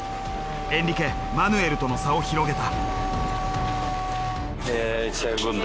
エンリケマヌエルとの差を広げた。